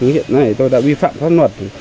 hiện nay tôi đã vi phạm pháp luật